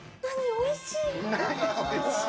おいしい！